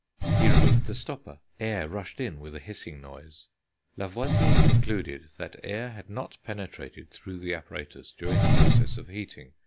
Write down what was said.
He removed the stopper; air rushed in, with a hissing noise. Lavoisier concluded that air had not penetrated through the apparatus during the process of heating.